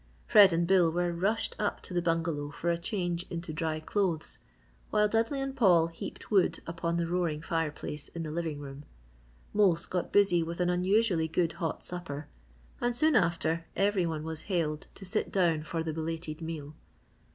Fred and Bill were rushed up to the bungalow for a change into dry clothes, while Dudley and Paul heaped wood upon the roaring fireplace in the living room. Mose got busy with an unusually good hot supper and soon after, every one was hailed to sit down for the belated meal.